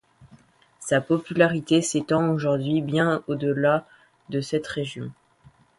Sa popularité s'étend aujourd'hui bien au-delà de cette région.